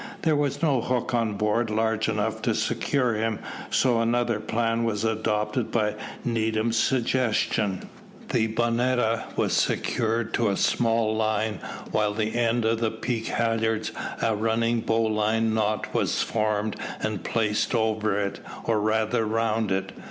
There was no hook on board large enough to secure him, so another plan was adopted by Needham's suggestion. The bonetta was secured to a small line, while with the end of the peak halyards a running bowline knot was formed and placed over it, or rather round it.